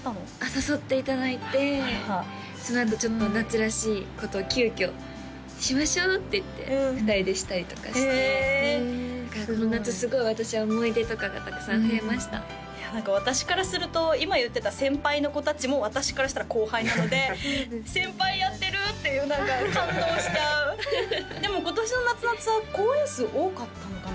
誘っていただいてあらそのあとちょっと夏らしいこと急きょしましょうって言って２人でしたりとかしてへえだからこの夏すごい私は思い出とかがたくさん増えました何か私からすると今言ってた先輩の子達も私からしたら後輩なので「先輩やってる！」っていう何か感動しちゃうでも今年の夏のツアー公演数多かったのかな